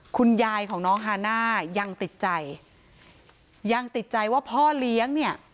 คุณยายของน้องฮาน่ายังติดใจยังติดใจว่าพ่อเลี้ยงเนี่ย